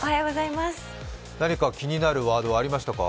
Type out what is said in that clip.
何か気になるワードはありましたか？